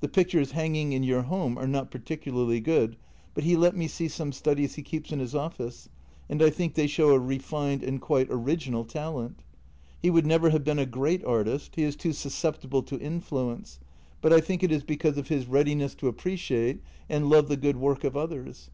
The pictures hanging in your home are not particularly good, but he let me see some studies he keeps in his office, and I think they show a refined and quite original talent. He would never have been a great artist; he is too susceptible to influence, but I think it is because of his JENNY 141 readiness to appreciate and love the good work of others.